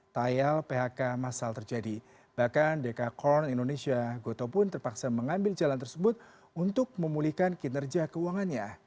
tayal phk masal terjadi bahkan dk corn indonesia goto pun terpaksa mengambil jalan tersebut untuk memulihkan kinerja keuangannya